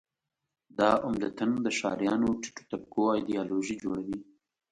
دا عمدتاً د ښاریانو ټیټو طبقو ایدیالوژي جوړوي.